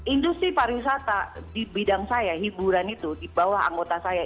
industri pariwisata di bidang saya hiburan itu di bawah anggota saya